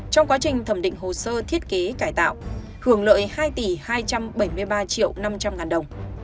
trong quá trình thẩm định hồ sơ thiết kế cải tạo hưởng lợi hai tỷ hai trăm bảy mươi ba triệu đồng